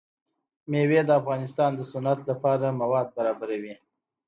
مېوې د افغانستان د صنعت لپاره مواد برابروي.